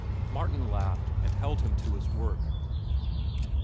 Martin laughed and held him to his work.